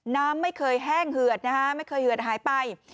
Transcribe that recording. น้ำไม่เคยแห้งเหือดนะฮะไม่เคยเหือดหายไป